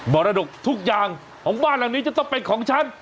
มรดกทุกอย่างของบ้านหลังนี้จะต้องเป็นของฉัน